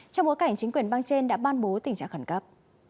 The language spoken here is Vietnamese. trong bối cảnh chính quyền bang trên đã ban bố tình trạng khẩn cấp